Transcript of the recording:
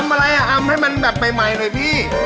อะไรอ่ะทำให้มันแบบใหม่หน่อยพี่